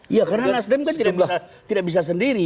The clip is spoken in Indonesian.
iya karena nasdem kan tidak bisa sendiri